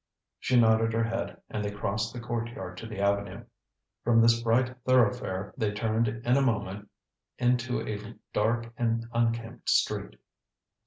She nodded her head, and they crossed the courtyard to the avenue. From this bright thoroughfare they turned in a moment into a dark and unkempt street.